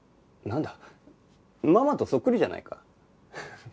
なんだママとそっくりじゃないか。